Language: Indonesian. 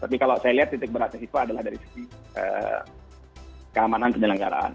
tapi kalau saya lihat titik beratnya siswa adalah dari sisi keamanan penyelenggaraan